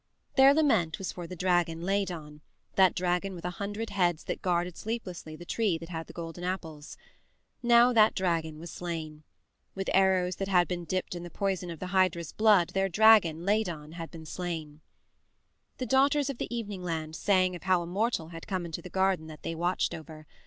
Their lament was for the dragon Ladon, that dragon with a hundred heads that guarded sleeplessly the tree that had the golden apples. Now that dragon was slain. With arrows that had been dipped in the poison of the Hydra's blood their dragon, Ladon, had been slain. The Daughters of the Evening Land sang of how a mortal had come into the garden that they watched over.